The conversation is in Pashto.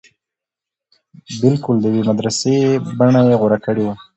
بلکل د يوې مدرسې بنه يې غوره کړې وه.